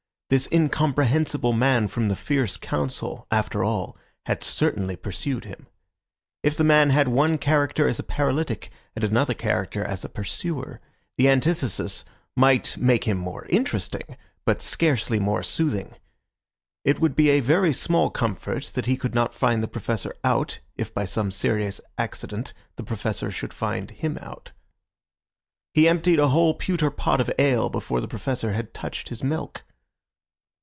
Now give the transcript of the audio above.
This incomprehensible man from the fierce council, after all, had certainly pursued him. If the man had one character as a paralytic and another character as a pursuer, the antithesis might make him more interesting, but scarcely more soothing. It would be a very small comfort that he could not find the Professor out, if by some serious accident the Professor should find him out. He emptied a whole pewter pot of ale before the professor had touched his milk.